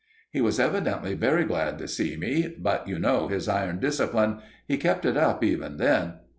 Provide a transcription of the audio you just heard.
"He was evidently very glad to see me; but you know his iron discipline. He kept it up even then.